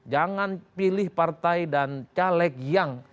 jangan pilih partai dan caleg yang